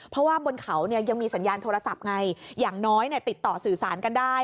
เพราะว่าบนเขาเนี่ยยังมีสัญญาณโทรศัพท์ไงอย่างน้อยติดต่อสื่อสารกันได้